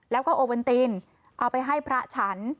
แล้วก็โอเวนตินเอาไปให้พระฉัน